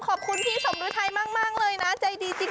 ขอบคุณพี่สมฤทัยมากเลยนะใจดีจริง